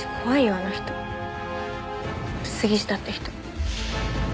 あの人杉下って人。